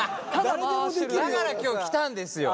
だから今日来たんですよ。